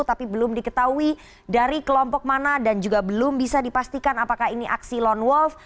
tapi belum diketahui dari kelompok mana dan juga belum bisa dipastikan apakah ini aksi lone wolf